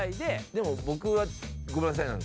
でも僕はごめんなさいなんです。